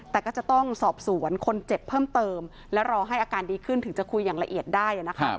แต่ก็จะต้องสอบสวนคนเจ็บเพิ่มเติมและรอให้อาการดีขึ้นถึงจะคุยอย่างละเอียดได้นะคะ